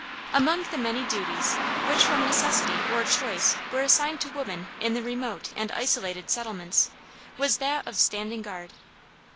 Among the many duties which from necessity or choice were assigned to woman in the remote and isolated settlements, was that of standing guard.